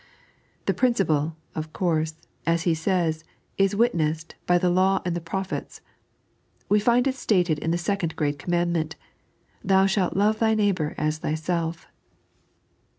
The principle, of course, as He says, is witnessed " by tiie law and the prophets." We find it stated in the second great commandment :" Thou shalt love thy neighbour as thyself."